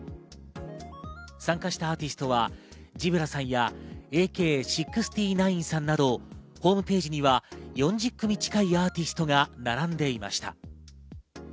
参加したアーティストはＺｅｅｂｒａさんやＡＫ−６９さんなどホームページには４０組近いアーティストが並んでいました。